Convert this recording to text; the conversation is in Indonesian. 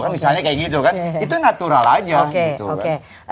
misalnya kayak gitu kan itu natural aja